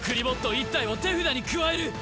１体を手札に加える。